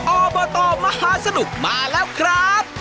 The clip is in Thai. ออเบอร์โตมหาสนุกมาแล้วครับ